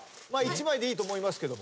１枚でいいと思いますけど。